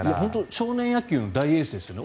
少年野球の大エースですよね。